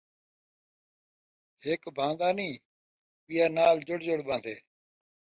ہک بھان٘دا نئیں ، ٻیا نال جڑ جڑ ٻہن٘دے